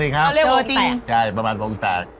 เรียกตัวจริงใช่ประมาณตรงต่าง